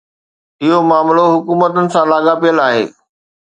اهو معاملو حڪومتن سان لاڳاپيل آهي.